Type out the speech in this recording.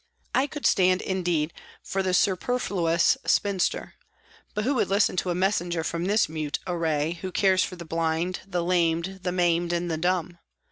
I could stand indeed for the superfluous spinster, but who would listen to a messenger from this mute array, who cares for the blind, the lamed, the maimed and the dumb